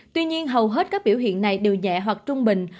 tuy nhiên hầu hết các biểu hiện này đều nhẹ hoặc trung bình